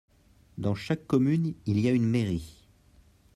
Dans chaque commune il y a une mairie.